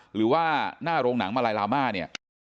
หรือว่าหน้าโรงหนังมาลัยลาม่าเนี่ย